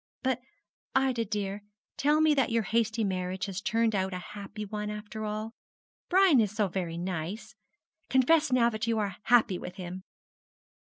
But, Ida, dear, tell me that your hasty marriage has turned out a happy one after all. Brian is so very nice. Confess now that you are happy with him!'